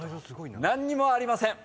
何にもありません。